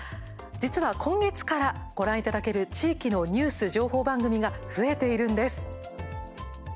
実は今月から、ご覧いただける地域のニュース情報番組が増えているんです。